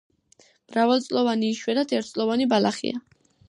მრავალწლოვანი, იშვიათად ერთწლოვანი ბალახია.